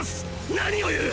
何を言う！